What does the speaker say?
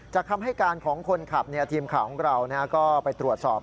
คำให้การของคนขับทีมข่าวของเราก็ไปตรวจสอบ